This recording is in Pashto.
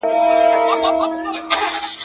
ستا شهپر دي په اسمان کي بریالی وي.